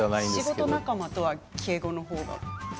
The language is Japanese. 仕事仲間とは敬語のほうが？